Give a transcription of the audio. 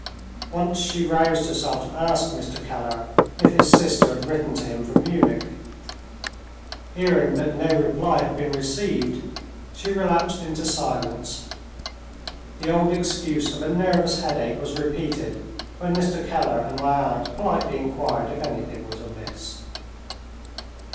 Once she roused herself to ask Mr. Keller if his sister had written to him from Munich. Hearing that no reply had been received, she relapsed into silence. The old excuse of a nervous headache was repeated, when Mr. Keller and my aunt politely inquired if anything was amiss.